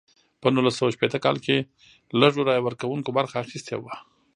په نولس سوه شپیته کال کې لږو رایه ورکوونکو برخه اخیستې وه.